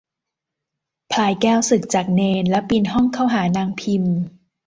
พลายแก้วสึกจากเณร แล้วปีนห้องเข้าหานางพิม